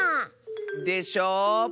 でしょう